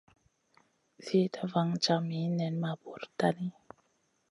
Zida vaŋ jami nen ma bura tahni.